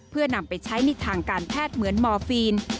เพื่อนำไปใช้ในทางการแพทย์เหมือนมอร์ฟีน